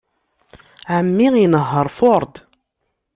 Ɛemmi inehheṛ Ford.